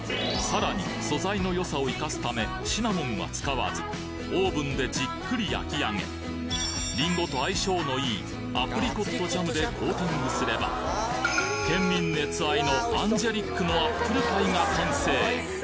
さらにオーブンでじっくり焼き上げリンゴと相性のいいアプリコットジャムでコーティングすれば県民熱愛のアンジェリックのアップルパイが完成！